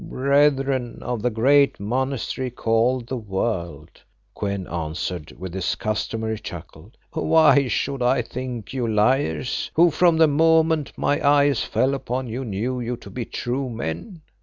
"Brethren of the great monastery called the World," Kou en answered with his customary chuckle, "why should I think you liars who, from the moment my eyes fell upon you, knew you to be true men?